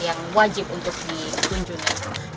yang wajib untuk dikunjungi